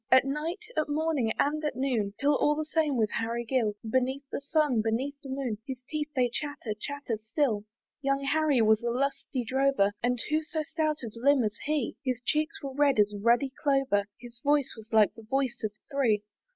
At night, at morning, and at noon, 'Tis all the same with Harry Gill; Beneath the sun, beneath the moon, His teeth they chatter, chatter still. Young Harry was a lusty drover, And who so stout of limb as he? His cheeks were red as ruddy clover, His voice was like the voice of three.